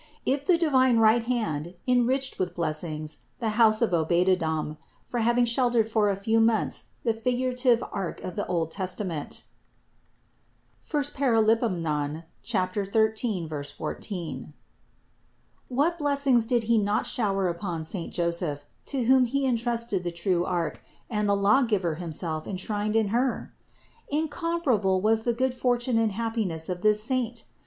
If the divine right hand en riched with blessings the house of Obededom for having sheltered for a few mpnths the figurative ark of the old Testament (I Par. 13, 14), what blessings did He not shower upon saint Joseph, to whom He entrusted the true ark and the Lawgiver himself enshrined in Her? Incomparable was the good fortune and happiness of this saint!